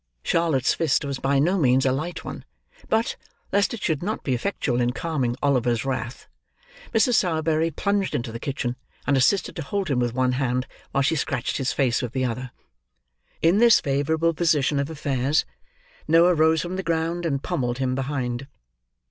Charlotte's fist was by no means a light one; but, lest it should not be effectual in calming Oliver's wrath, Mrs. Sowerberry plunged into the kitchen, and assisted to hold him with one hand, while she scratched his face with the other. In this favourable position of affairs, Noah rose from the ground, and pommelled him behind.